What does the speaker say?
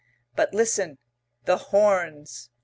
But listen! the horns!"